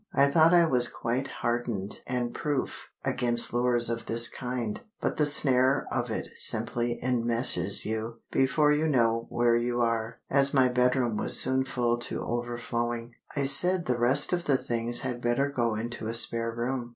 I thought I was quite hardened and proof against lures of this kind; but the snare of it simply enmeshes you before you know where you are. As my bedroom was soon full to overflowing, I said the rest of the things had better go into a spare room.